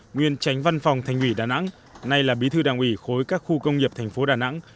nguyên tránh văn phòng thành ủy đà nẵng nay là bí thư đảng ủy khối các khu công nghiệp thành phố đà nẵng